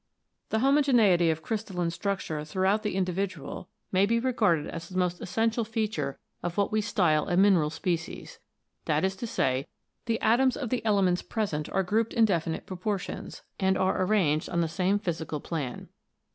The homogeneity of crystalline structure throughout the individual may be regarded as the most essential feature of what we style a mineral species ; that is to say, the atoms of the elements present are grouped in definite proportions, and are arranged on the same physical plan.